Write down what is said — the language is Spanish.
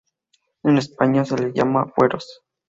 En España se les llamaban fueros.